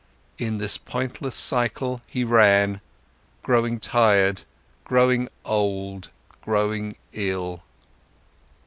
In this pointless cycle he ran, growing tired, growing old, growing ill.